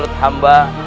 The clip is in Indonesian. dia beacon sukar